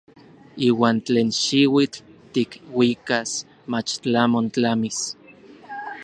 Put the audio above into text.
Iuan tlen xiuitl tikuikas mach tlamon tlamis.